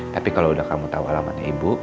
tapi kalau kamu tau alamat ibu